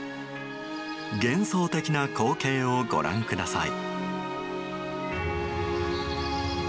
幻想的な光景をご覧ください。